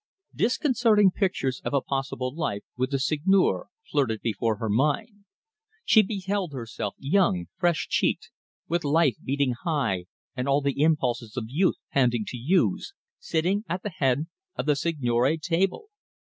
Disconcerting pictures of a possible life with the Seigneur flitted before her mind. She beheld herself, young, fresh cheeked, with life beating high and all the impulses of youth panting to use, sitting at the head of the seigneury table.